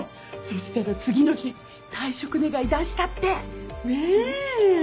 そしたら次の日退職願出したってねぇ！